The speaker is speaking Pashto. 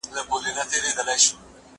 د لوط عليه السلام د کورنۍ پرته ټول هلاک سول.